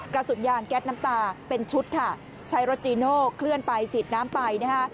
กระสุนยางแก๊สน้ำตาเป็นชุดค่ะใช้รถจีโน่เคลื่อนไปฉีดน้ำไปนะคะ